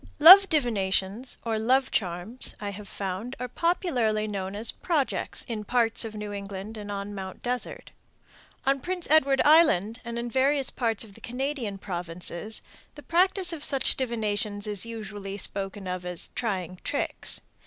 Love divinations or love charms, I have found, are popularly known as "projects" in parts of New England and on Mt. Desert. On Prince Edward Island and in various parts of the Canadian provinces the practice of such divinations is usually spoken of as "trying tricks."